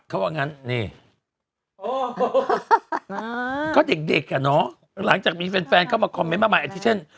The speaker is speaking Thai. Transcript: เขาว่างั้นนี่ก็เด็กเด็กอ่ะเนอะหลังจากมีแฟนเข้ามาคอมเมนต์มากมายแอคทิเช่น